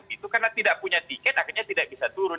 itu karena tidak punya tiket akhirnya tidak bisa turun